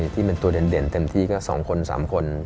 ที่เป็นตัวเด่นเต็มที่ก็๒คน๓คน